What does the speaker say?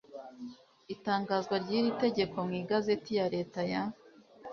itangazwa ry iri tegeko mu igazeti ya leta ya